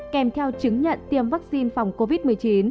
kèm theo chứng nhận tiêm vaccine phòng covid một mươi chín